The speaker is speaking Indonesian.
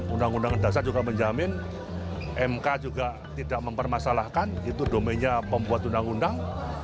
undang undang dasar juga menjamin mk juga tidak mempermasalahkan itu domennya pembuat undang undang